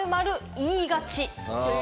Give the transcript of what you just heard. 言いがち。